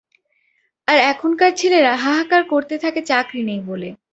আর এখানকার ছেলেরা হাহাকার করতে থাকে চাকরি নেই বলে।